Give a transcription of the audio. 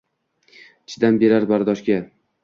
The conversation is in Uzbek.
Chidam berar bardoshga.